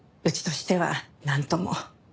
うちとしてはなんとも。